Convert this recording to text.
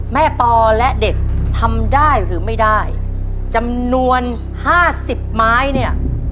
ปอและเด็กทำได้หรือไม่ได้จำนวนห้าสิบไม้เนี่ย